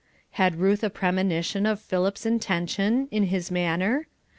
Had Ruth a premonition of Philip's intention, in his manner?